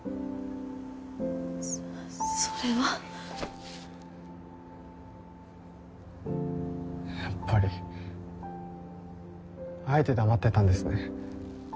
そそれはやっぱりあえて黙ってたんですね